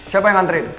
siapa yang anterin